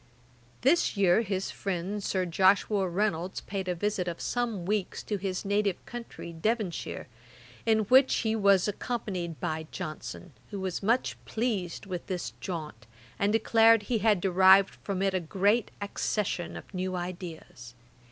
This year his friend Sir Joshua Reynolds paid a visit of some weeks to his native country, Devonshire, in which he was accompanied by Johnson, who was much pleased with this jaunt, and declared he had derived from it a great accession of new ideas.